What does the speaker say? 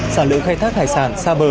sản lượng khai thác thải sản xa bờ